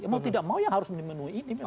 mau tidak mau yang harus memenuhi ini memang